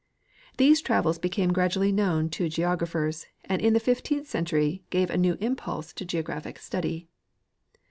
These travels became gradually known to geographers, and in the fifteenth century gave a new impulse to geographic study.